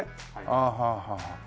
ああはあはあ。